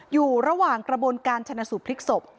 อยู่ระหว่างกระบวนการชนะสูตรพลิกศพ